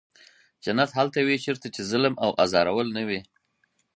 جنت هلته وي چېرته چې ظلم او ازارول نه وي.